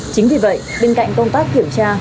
chính vì vậy bên cạnh công tác kiểm tra